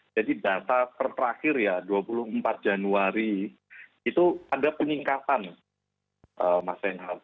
jadi data terakhir ya dua puluh empat januari itu ada peningkatan masing masing